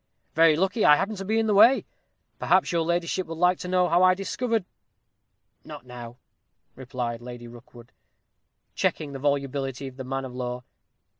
Very lucky I happened to be in the way. Perhaps your ladyship would like to know how I discovered " "Not now," replied Lady Rookwood, checking the volubility of the man of law.